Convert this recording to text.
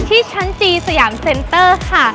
ที่ชั้นจีสยามเซ็นเตอร์ค่ะ